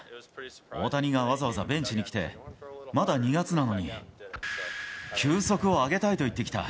大谷がわざわざベンチに来て、まだ２月なのに、球速を上げたいと言ってきた。